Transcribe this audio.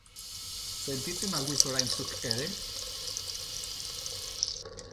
Sentitzen al duzu orain zuk ere?